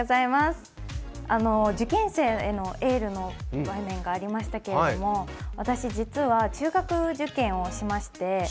受験生へのエールの場面がありましたけど私、実は中学受験をしまして。